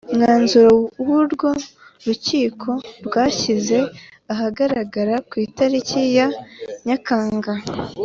mwanzuro urwo rukiko rwashyize ahagaragara ku itariki ya nyakanga